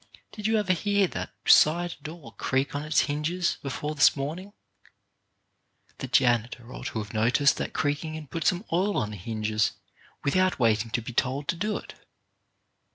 Did you ever hear that side door creak on its hinges before this morning ? The janitor ought to have noticed that creaking and put some oil on the hinges without waiting to be told to do it.